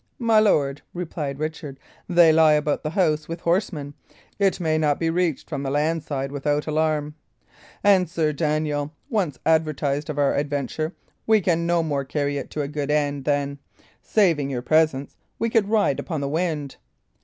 "My lord," replied Richard, "they lie about the house with horsemen; it may not be reached from the land side without alarum; and Sir Daniel once advertised of our adventure, we can no more carry it to a good end than, saving your presence, we could ride upon the wind.